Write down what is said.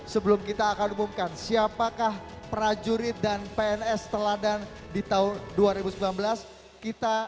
sebelum kita akan umumkan siapakah prajurit dan pns teladan di tahun dua ribu sembilan belas